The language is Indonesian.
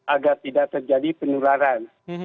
agar tidak terjadi penularan